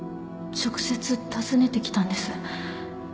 直接訪ねてきたんです